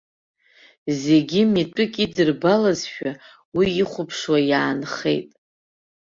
Зегьы митәык идырбалазшәа, уи ихәаԥшуа иаанхеит.